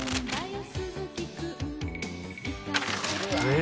え！